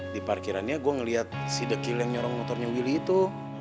di parkirannya gue ngeliat si dekil yang nyorong motornya willy itu